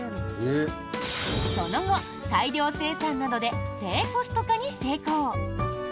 その後、大量生産などで低コスト化に成功。